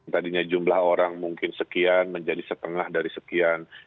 tadinya jumlah orang mungkin sekian menjadi setengah dari sekian